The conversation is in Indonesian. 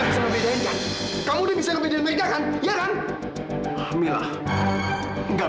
aku bukan fadil yang penyayang